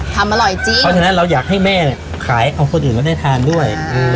ทำอร่อยจริงเพราะฉะนั้นเราอยากให้แม่ขายของคนอื่นมาได้ทานด้วยอืม